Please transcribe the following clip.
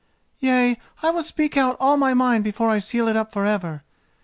"Yea, I will speak out all my mind before I seal it up for ever.